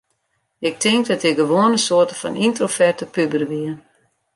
Ik tink dat ik gewoan in soarte fan yntroverte puber wie.